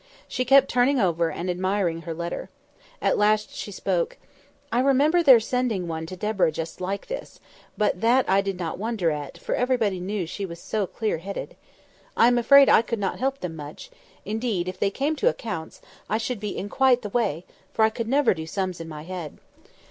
She kept turning over and admiring her letter. At last she spoke— "I remember their sending one to Deborah just like this; but that I did not wonder at, for everybody knew she was so clear headed. I am afraid I could not help them much; indeed, if they came to accounts, I should be quite in the way, for I never could do sums in my head.